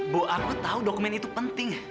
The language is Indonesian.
bu aku tahu dokumen itu penting